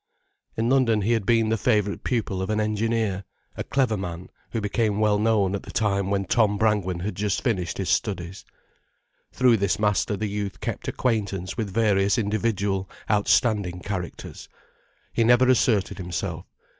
In London he had been the favourite pupil of an engineer, a clever man, who became well known at the time when Tom Brangwen had just finished his studies. Through this master the youth kept acquaintance with various individual, outstanding characters. He never asserted himself.